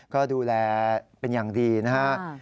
ก็ดูแลเป็นอย่างดีนะครับ